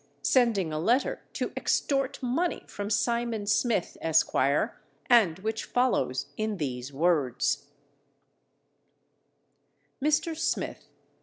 sending a letter to extort money from Simon Smith, Esq., and which follows in these words: Mr. Smith.